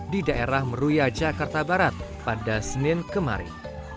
di daerah meruya jakarta barat pada senin kemarin